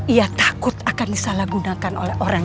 ia takut akan disalahgunakan oleh orang